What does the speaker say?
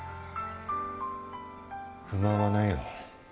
不満はないよ。